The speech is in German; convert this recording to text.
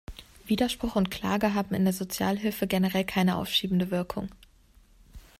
Widerspruch und Klage haben in der Sozialhilfe generell keine aufschiebende Wirkung.